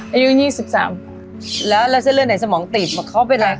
อายุ๒๓แล้วแล้วเส้นเลือดไหนสมองตีบบอกเขาเป็นอะไร